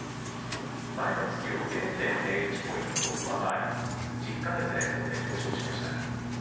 前の月を０．０１ポイント上回り、１０か月連続で上昇しました。